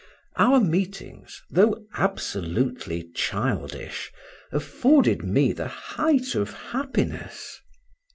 Our meetings, though absolutely childish, afforded me the height of happiness.